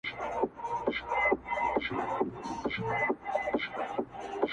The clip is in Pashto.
تېغ ورته عاجز دی له شیطان سره به څه کوو -